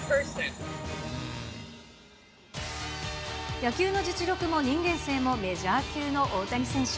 野球の実力も人間性もメジャー級の大谷選手。